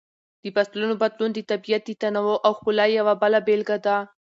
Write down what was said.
د فصلونو بدلون د طبیعت د تنوع او ښکلا یوه بله بېلګه ده.